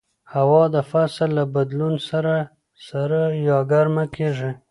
هوا د فصل له بدلون سره سړه یا ګرمه کېږي